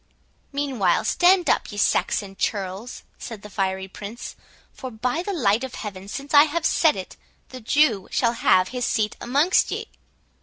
"Meanwhile, stand up, ye Saxon churls," said the fiery Prince; "for, by the light of Heaven, since I have said it, the Jew shall have his seat amongst ye!"